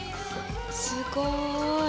すごい。